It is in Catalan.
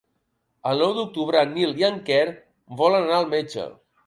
El nou d'octubre en Nil i en Quer volen anar al metge.